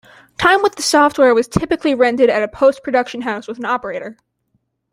Time with the software was typically rented at a post-production house with an operator.